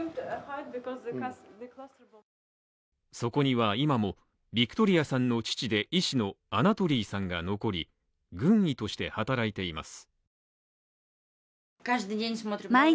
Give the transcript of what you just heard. そこには、今も、ビクトリアさんの父で医師のアナトリーさんが残り軍医として働いています。